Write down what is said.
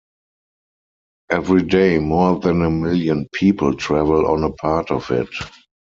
Every day more than a million people travel on a part of it.